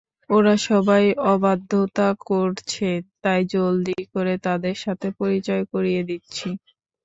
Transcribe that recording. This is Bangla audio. ওরা সবাই অবাধ্যতা করছে, তাই জলদি করে তাদের সাথে পরিচয় করিয়ে দিচ্ছি।